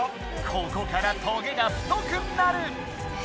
ここからトゲがふとくなる。